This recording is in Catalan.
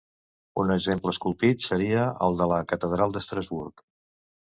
Un exemple esculpit seria el de la Catedral d"Estrasburg.